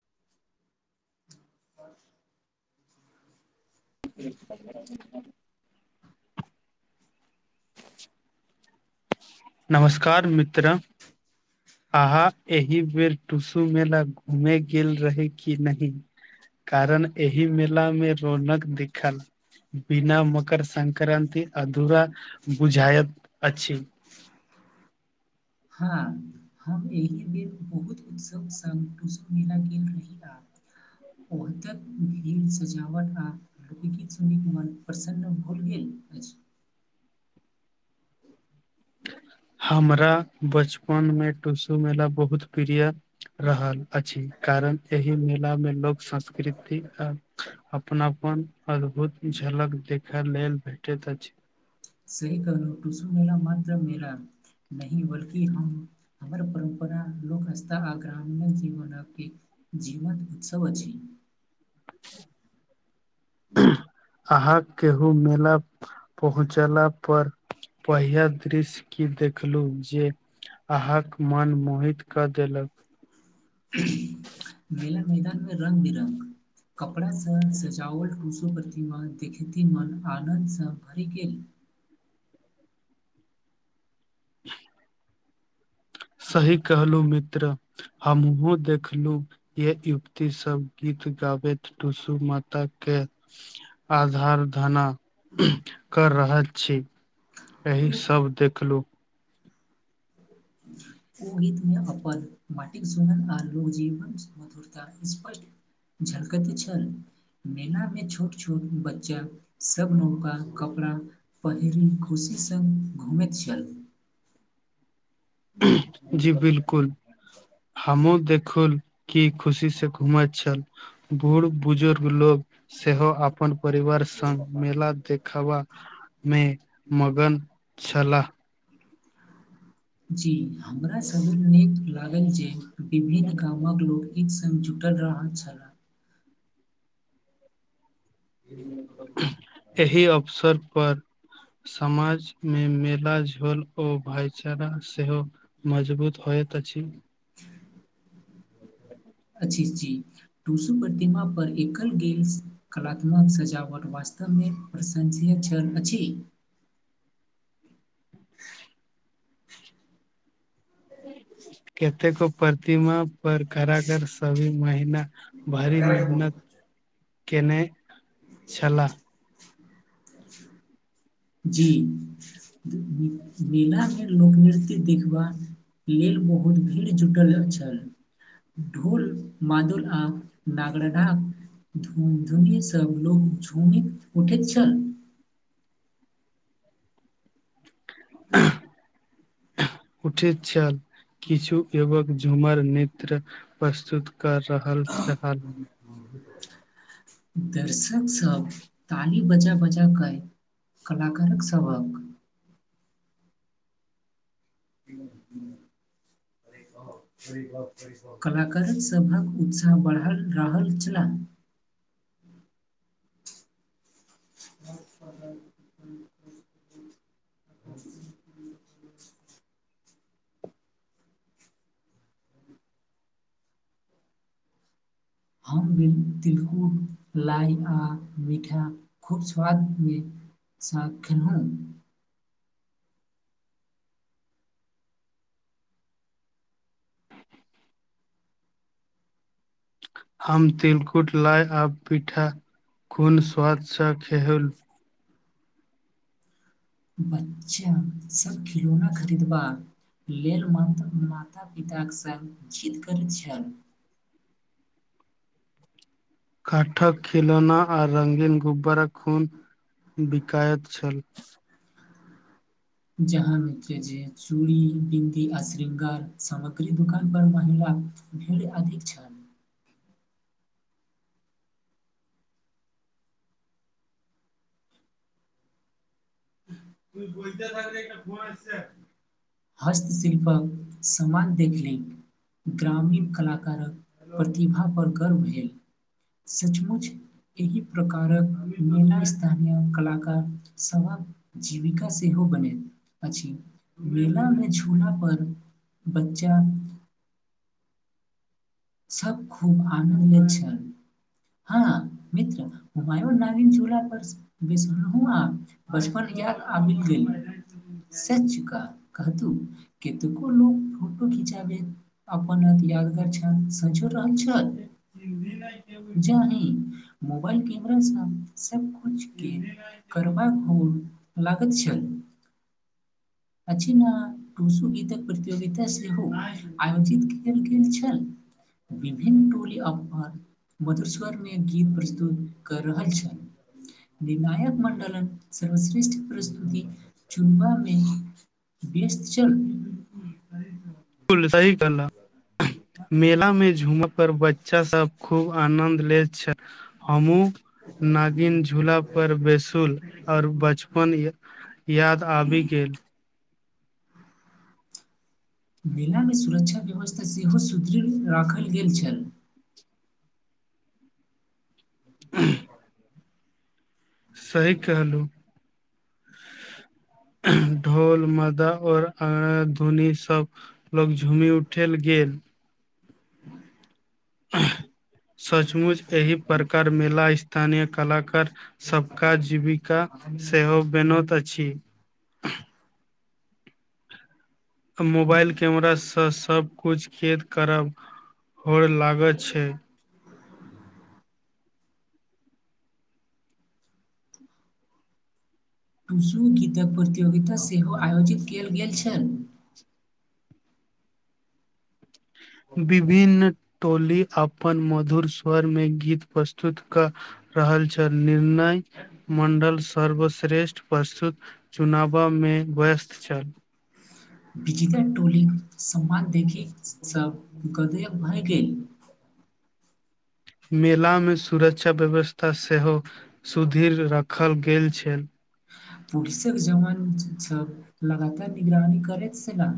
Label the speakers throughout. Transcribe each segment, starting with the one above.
Speaker 1: [inaudible]
Speaker 2: [inaudible] नमस्कार मित्रऽ
Speaker 1: [inaudible]
Speaker 2: अहाँ एहि बेर टुसु मेला घूमे गेल रही कि नहि कारण एहि मेला मे रौनक दिखल बिना मकर संक्राति अधूरा बुझायत अछि
Speaker 1: हँ हम एहिबेर बहुत उत्सव संग पुष्प मेला गेल रहिया ओत भी सजावट आ इ गीत सुनिक मन प्रसन्न भऽ गेल अछि
Speaker 2: हमरा बचपनमे टुसु मेला बहुत प्रिय रहल अछि कारण एहि मेला मे लोक संस्कृति अपनापन अद्भुत झलक देखय लेल भेटैत अछि
Speaker 1: सही कहलू टुसु मेला मात्रऽ मेला नहि बल्कि हम हमर परम्परा लोक आस्था आ ग्रामीण जीवनके जीवन उत्सव अछि
Speaker 2: अहाँ केहू मेला पहुँचला पर पहिया दृश्य की देखलु जे आहां क मन मोहित कऽ देलक
Speaker 1: मेला मैदानमे रंग बिरंग कपड़ा स सजावल टूसो तिमा देखैते मन आनन्दसँ भरि गेल
Speaker 2: [unintelligible] सही कहलू मित्र हमहुँ देखलू ये युक्तसँ सब गीत गाबैत टूसु माता के आधार धना कर रहल छी एहि सब देखलू
Speaker 1: ह ओ गीत मे अपन माटिक सुनन आ लोक जीवन मधुरता स्पष्ट झलकति छल मेला मे छोट छोट बच्चा सब लोक आ कपड़ा पहिरी खुशी सङ्ग घुमैत छलहु
Speaker 2: जी बिल्कुल हमहुँ देखुल कि खुशी से घुमैत छल बूढ़ बुजुर्ग लोग सेहो अपन परिवार स मेला देखबा मे मगन छलाह
Speaker 1: जी हमरा सबके नीक लागल जे विभिन्न गामक लोक जुटल रहल छल
Speaker 2: एहि अवसर पर समाज मे मेला झोल आ भाईचारा सेहो मजबूत होयत अछि
Speaker 1: अछि जी टूसु प्रतिमा पर एकल गेल कलात्मक सजावट वा वास्तवमे प्रशंसनीय छल अछि
Speaker 2: ह कतेको प्रतिमा पर करा कर सभी महिना भरी मेहनत केने छलाह
Speaker 1: जी मेलामे लोक नृत्य देखबा लेल बहुत भीड़ जुटल छल ढोल मधुर आ नागरा धुमधुम सब लोक झुमि उठे छल ह
Speaker 2: उठि छल किछु युवक झुमर नेत्र प्रस्तुत कर रहल छल
Speaker 1: दर्शक सब ताली बजा बजा कऽ कलाकारक सभक कलाकार सभक उत्साह बढ़ल रहल छलाह अछि [inaudible] हम तिलकुट लाइ आ मीठा खूब स्वाद मे स खेनहुँ
Speaker 2: हम तिलकुट लाय आब पीठा खुब स्वाद सँ खेलउ
Speaker 1: बच्चा सब खिलौना खरीदबा लेल माता पिताक सङ्ग जिद कर छल
Speaker 2: काठक खिलौना आ रङ्ंगीन गोब्बरा खूब बिकाायइत छल
Speaker 1: जहाँ मित्र जी चूरी बिन्दी आ शृङंगार सामग्री दोकान पर महिला भीर अधिक छल त बजितल एक घुम अ हस्तशिल्पक समान देखले ग्रामीण कलाकारक प्रतिभाापर गर्व भेल सचमुच एहि प्रकारक मेला स्थानीय कलाकार सभक जीविका सेहो बनैत अछि मेलामे झूला पर बच्चा सभ खूब आनन्द लैत छल हँ मित्र हुाय नागिन झुला पर बेसलहू बचपन आबि गेल सच का कहतू कतुको लोक फोटो खिचाबे अपन अति यादगार छण संजो रहल छल जानी मोबाइल कैमरासँ सब खोजिके करू हम घोर लगल छल अछि ने टूसू गीतक प्रतियोगिता सेहो आयोजित कयल गेल छल विभिन टोली अपन मधुर स्वरमे गीत प्रस्तुत कऽ रहल छल निर्णायक मंडलन सर्वश्रेष्ठ प्रस्तुति चुनबा मे व्यस्त छल
Speaker 2: सही करल मेलामे झूम पर बच्चा सब खूब आनन्द लैत छल हमहु नागिन झूला पर बैसूल आओर बचपन या याद आबि गेल
Speaker 1: मेलामे सुरक्षा व्यवस्था सेहो सुदृढ़ राखल गेल छल
Speaker 2: अख्म्ह सही कहलहुँ ढोल मदा आओर आधुनी सब लोग झुमि उठल गेल तेल
Speaker 1: ह
Speaker 2: सचमुच एहि प्रकार मेला स्थानीय कलाकार सबका जीविका सेहो बेनोत अछि
Speaker 1: [inaudible]
Speaker 2: मोबाइल कैमरासँ सभकिछु कैद करब होर लागल छै
Speaker 1: टुसु गीतक प्रतियोगिता सेहो आयोजित कयल गेल छल
Speaker 2: विभिन्न टोली अपन मधुर स्वर मे गीत प्रस्तुत कऽ रहल छल निर्णय मंडल सर्वश्रेष्ठ प्रस्तुत चुनावामे मे व्यस्त छल
Speaker 1: विजेता टोलीक सम्मान देखि सभ गदयक भए गेल
Speaker 2: मेलामे सुरक्षा व्यवस्था सेहो सुदृढ़ राखल गेल छल
Speaker 1: पुरषक सब लगातार निगरानी करैत छलाह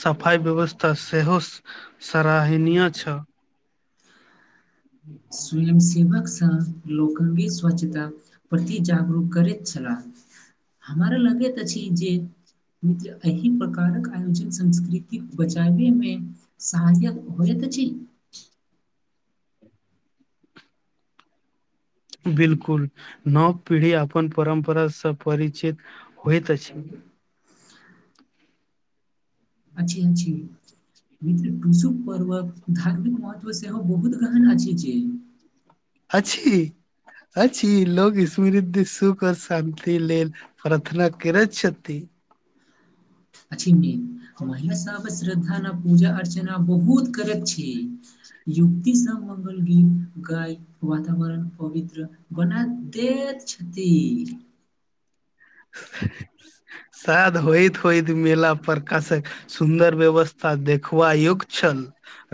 Speaker 2: सफाइ व्यवस्था सेहो सराहनीय छल
Speaker 1: स्वयं सेवकसँ लोककि स्वच्छता प्रति जागरूक करैत छलाह हमरा लगैत अछि जे म एहि प्रकारक आयोजित संस्कृति बचाबै मे सहायक होयत अछि
Speaker 2: बिल्कुल नव पीढ़ी अपन परम्परा से परिचित होइत अछि
Speaker 1: अछि अछि मित्र टूशु पर्वक धार्मिक महत्व सेहो बहुत गहन अछि जे
Speaker 2: अछि अछि ई लोक स्मृद्ध सुख आऔर शान्ति लेल प्रार्थना करैत छथि
Speaker 1: अछि मे महिला सब श्रद्धा न पूजा अर्चना बहुत करक छै युक्त स मङ्गल गीत गाय वातावरण पवित्र बना दैत छथि
Speaker 2: शायद होयत होयत मेला प्रकाशक सुन्दर व्यवस्था देखबा योग्य छल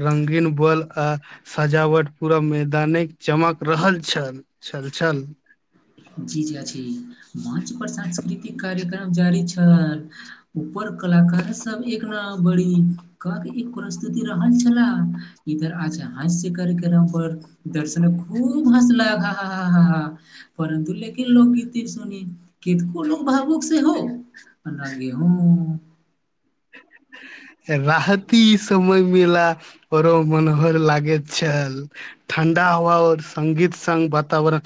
Speaker 2: रंगीन बल आ सजावट पूरा मैदानेक चमक रहल छल छल छल
Speaker 1: जी जे अछि मचंन पर सांस्कृतिक कार्यक्रम जारी छल ऊपर कलाकार सब एक न बड़ी कह के एक परस्तुति रहल छलला इधर आज हास्य कार्यक्रम पर दर्शक खूब हस ला हा हा हा हाहा परन्तु लेकिन लोकगीती सुनी कितको लोक भावुक से हो गे हूँ
Speaker 2: राहति समय मिला ओरो मनोहर लागैत छल ठण्डा हवा आऔर संगित सगं वातावरण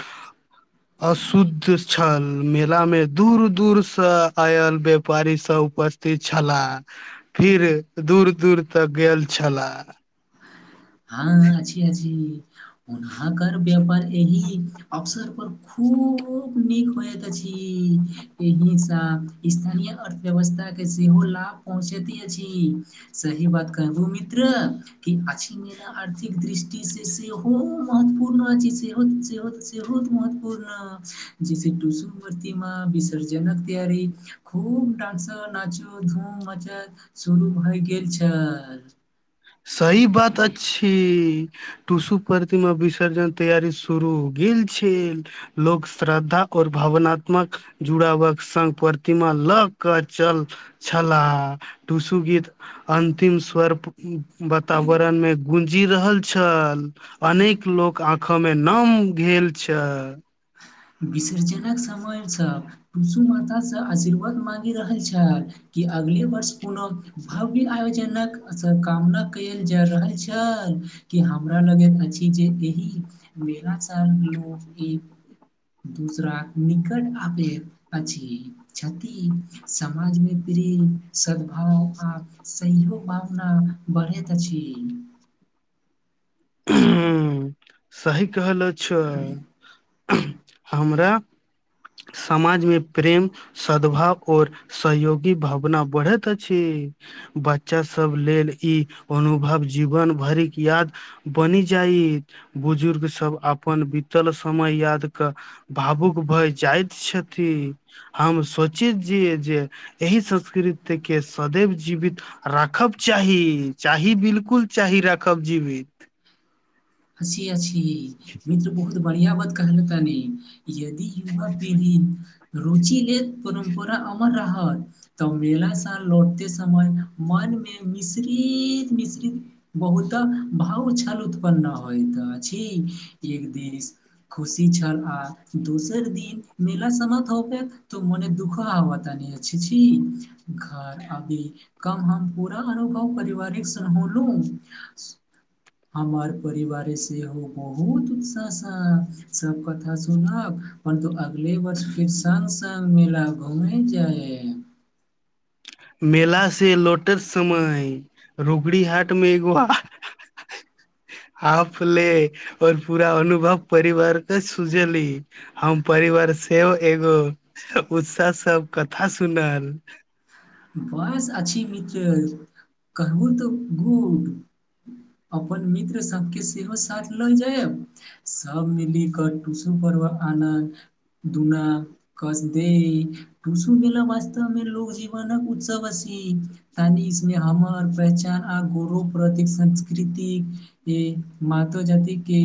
Speaker 2: असु शुद्ध छल मेला मे दूर दूर से आयल व्यापारी सब उपस्थित छलाह फिर दूर दूर तक गेल छलाह
Speaker 1: ह अछि अछि उहाकर व्यापार एहि अवसर पर खूब नीक होय तऽ छी के हिसा स्थानीय अर्थव्यवस्थाके सेहो लाभ पहुँचैती अछि सही बात कह मित्र की आछी मेरा आर्थिक दृष्टि से सेहो महत्वपूर्ण सेहो बहुत महत्वपूर्ण जैस टुसु मर्ति वि उसर्जनक तैयारी खूब डान्स नाचो धूम मजत शुरू भय गेल छै
Speaker 2: सही बात अछि टुसु प्रतिमा विसर्जन तैयारी शुरू गेल छै लोको श्रद्धा ओर भावनात्मक जुड़ावक संग प्र प्रतिमा लऽ के चल छलाह टूसू गीत अंतिम स्वर्प वातावरणमे गूँज जी रहल छल अनेक लोक आँख मे नम भेल छल
Speaker 1: विसर्जन समय सब टुशु माता से आशीर्वाद मागि रहल छल कि अगले वर्ष कोनो भव्य आयोजनक कामना कयल जा रहल छल कि हमरा लगे अछि जे एहि बला चललो एक दूसरा निकट आबेत अछि समाजमे प्रेम सद्भाव आ सहियो भावना बढ़ैत अछि की
Speaker 2: ह सही कहल छ हमरा समाजमे प्रेम सद्भाव‌ आओर सहयोगी भावना बढ़ैत अछि बच्चा सब लेल ई अनुभव जीवन भरिक याद बनि जाइ बुजुर्ग सब अपन बीतल समय याद क भावुक भय जाइत छथि हम सोचैत छिय जे एहि संस्कृति के सदैव जीवित राखब चाही चाही बिल्कुल चाही राखब जीवित
Speaker 1: अछि अछि मित्र बहुत बढ़िआ बात कहल नहि यदि युवा पीढ़ी रुचिे लेल पुनः परा अमर रहत तऽ मेला लौटते समय मनमे मिश्रित मिश्रित बहुत भाव छल उत्पन्न हो हो अछि एक दिस खुशी छल आ दोसर दिन मेला त मने दुःख आब तानी छी घ अबी कम हम पूरा अनुभव परिवारिक सलू हमर परिवारे सेहो बहुत उत्साह सा सब कथा सुनलक परन्तु अगले वर्ष फेर स सब मेला घूमेै जाइ ह
Speaker 2: मेला से लोटैत समय रोगरि हाट मे एगो साफ ले आओर पूरा अनुभव परिवार के सुझेली हम परिवार से एगो उत्साह सब कथा सुनल
Speaker 1: बस अछि मित्र कहबू तऽ गुड अपन मित्र सबके सेहो साथ लऽ जैय सब मिल क टूसू पर्व आनन्द दुना कसदे टुसु मेला वास्तव मे लोदैऊेग जीवन उत्सव [inaudible] तानि इसमे हमर पहचान आ गौरव प्रति संस्कृति मात जाति के